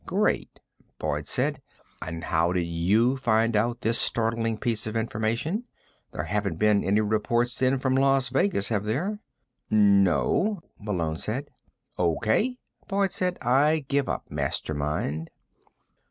"Great," Boyd said. "And how did you find out this startling piece of information? There haven't been any reports in from Las Vegas, have there?" "No," Malone said. "O.K.," Boyd said. "I give up, Mastermind."